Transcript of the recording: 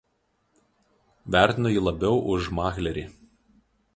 Vertino jį labiau už Mahlerį